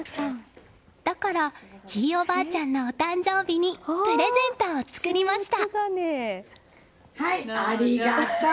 だから、ひいおばあちゃんのお誕生日にプレゼントを作りました。